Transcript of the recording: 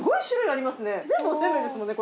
全部おせんべいですもんね。